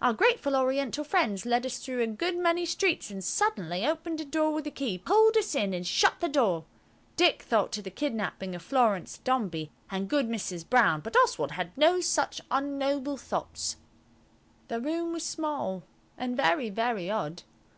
Our grateful Oriental friends led us through a good many streets, and suddenly opened a door with a key, pulled us in, and shut the door. Dick thought of the kidnapping of Florence Dombey and good Mrs. Brown, but Oswald had no such unnoble thoughts. ON THE SIDEBOARD WAS A BLUEY WHITE CROCKERY IMAGE. The room was small, and very, very odd.